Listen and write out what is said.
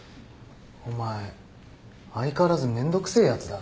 お前相変わらずめんどくせえやつだな。